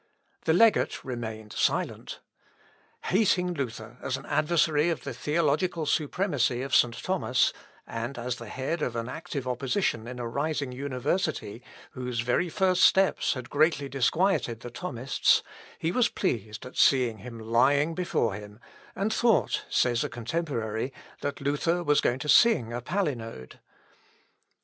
The legate remained silent. Hating Luther as an adversary of the theological supremacy of St. Thomas, and as the head of an active opposition in a rising university, whose very first steps had greatly disquieted the Thomists, he was pleased at seeing him lying before him, and thought, says a contemporary, that Luther was going to sing a palinode.